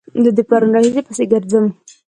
زه د پرون راهيسې پسې ګرځم